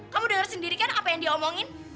kamu denger sendiri kan apa yang dia omongin